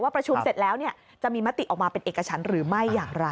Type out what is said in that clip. ประชุมเสร็จแล้วจะมีมติออกมาเป็นเอกชั้นหรือไม่อย่างไร